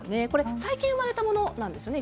最近、生まれたものなんですよね。